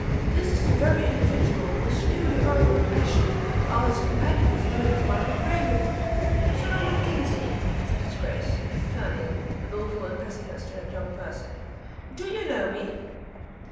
This is the very individual who slew the Earl of Ashley, while his companion was doing for my Lord Craven. Sir Norman Kingsley," said his grace, turning, with awful impressiveness to that young person, "do you know me?"